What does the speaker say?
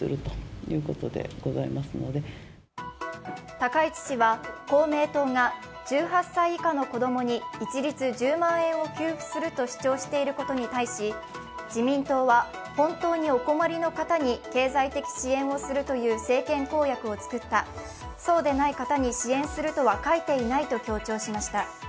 高市氏は公明党が１８歳以下の子供に一律１０万円を給付すると主張していることに対し、自民党は本当にお困りの方に経済的支援をするという政権公約を作った、そうでない方に支援するとは書いていないと強調しました。